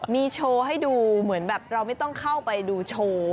มีโชว์ให้ดูเหมือนแบบเราไม่ต้องเข้าไปดูโชว์